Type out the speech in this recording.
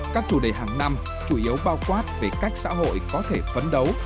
các chủ đề hàng năm chủ yếu bao quát về cách xã hội có thể phấn đấu